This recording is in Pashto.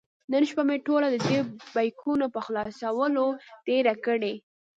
نن شپه مې ټوله د دې بیکونو په خلاصولو تېره کړې.